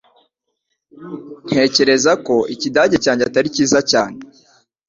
Ntekereza ko Ikidage cyanjye atari cyiza cyane